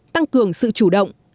tăng cường sự chủ động